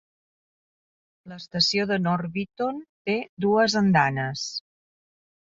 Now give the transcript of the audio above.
L'estació de Norbiton té dues andanes.